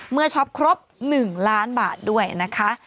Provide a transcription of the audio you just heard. ช็อปครบ๑ล้านบาทด้วยนะคะ